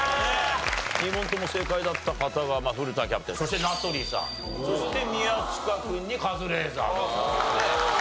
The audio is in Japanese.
２問とも正解だった方が古田キャプテンそして名取さんそして宮近君にカズレーザーという事でございました。